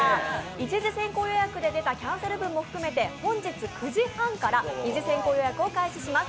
１次先行予約で出たキャンセル分も含めて本日９時半から２次先行予約を開始します。